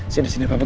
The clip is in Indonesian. sini sini bapak